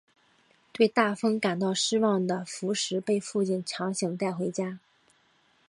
对大风感到失望的福实被父亲强行带回家。